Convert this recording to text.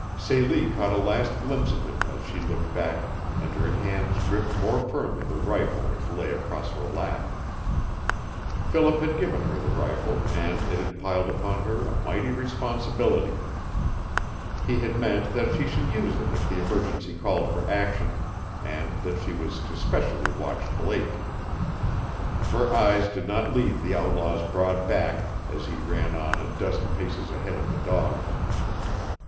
Celie caught a last glimpse of him as she looked back and her hands gripped more firmly the rifle which lay across her lap. Philip had given her the rifle and it had piled upon her a mighty responsibility. He had meant that she should use it if the emergency called for action, and that she was to especially watch Blake. Her eyes did not leave the outlaw's broad back as he ran on a dozen paces ahead of the dogs.